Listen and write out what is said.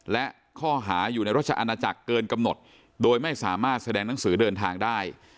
และข้อหาอยู่ในราชอาณาจักรเกินกำหนดโดยไม่สามารถแสดงหนังสือเดินทางได้